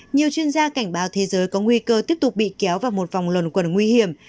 nhiều chuyên gia cảnh báo thế giới có nguy cơ tiếp tục bị kéo vào một vòng luận quần nguy hiểm